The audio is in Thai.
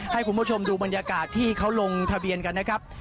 ให้คุณผู้ชมดูบรรยากาศที่เขาลงทะเบียนกันนะครับ